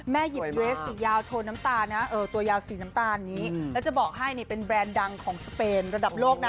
หยิบเรสสียาวโทนน้ำตาลนะตัวยาวสีน้ำตาลนี้แล้วจะบอกให้เป็นแบรนด์ดังของสเปนระดับโลกนะ